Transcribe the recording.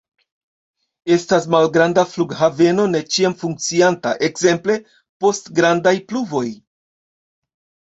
Estas malgranda flughaveno ne ĉiam funkcianta, ekzemple post grandaj pluvoj.